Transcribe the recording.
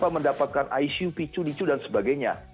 mendapatkan icu picu picu dan sebagainya